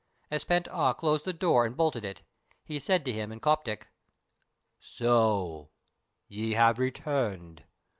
As Pent Ah closed the door and bolted it, he said to him in Coptic: "So ye have returned!